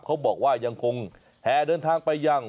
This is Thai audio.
เขาบอกว่ายังคงแห่เดินทางไปยัง